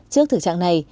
trước thực trạng này